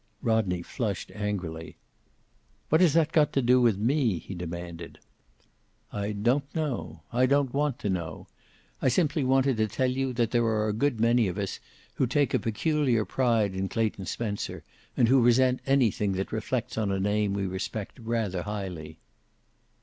Rodney flushed angrily. "What has that got to do with me?" he demanded. "I don't know. I don't want to know. I simply wanted to tell you that there are a good many of us who take a peculiar pride in Clayton Spencer, and who resent anything that reflects on a name we respect rather highly."